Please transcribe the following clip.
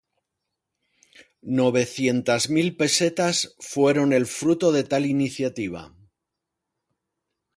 Novecientas mil pesetas fueron el fruto de tal iniciativa.